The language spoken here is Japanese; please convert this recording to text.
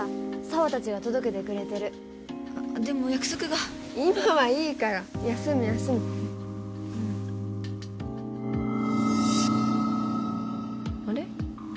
羽達が届けてくれてるでも約束が今はいいから休む休むあれ？